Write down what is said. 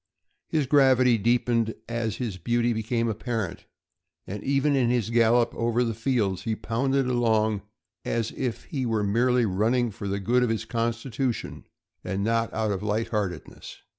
His gravity deepened as his beaut}* became apparent, and even in his gallop over the fields he pounded along as if he were merely running for the good of his constitution and not out of light heartedness.